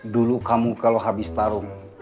dulu kamu kalau habis tarung